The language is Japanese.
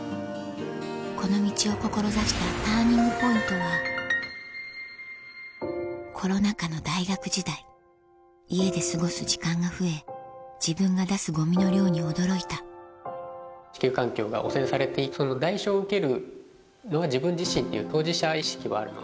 この道を志したＴＵＲＮＩＮＧＰＯＩＮＴは自分が出すゴミの量に驚いた地球環境が汚染されてその代償を受けるのは自分自身っていう当事者意識はあるので。